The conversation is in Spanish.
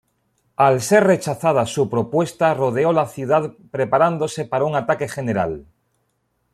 Al ser rechazada su propuesta rodeó la ciudad preparándose para un ataque general.